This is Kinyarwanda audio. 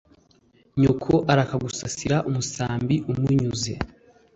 nyoko arakagusasira umusambi umunyunyuze